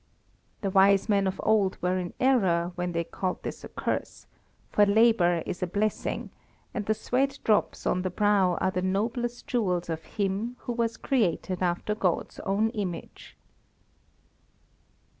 The wise men of old were in error when they called this a curse, for labour is a blessing, and the sweat drops on the brow are the noblest jewels of him who was created after God's own image.